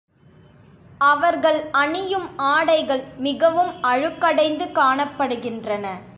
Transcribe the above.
அவர்கள் அணியும் ஆடைகள் மிகவும் அழுக்கடைந்து காணப்படுகின்றன.